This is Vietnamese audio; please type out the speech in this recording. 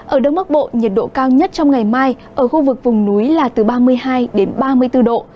ở đông bắc bộ nhiệt độ cao nhất trong ngày mai ở khu vực vùng núi là từ ba mươi hai đến ba mươi bốn độ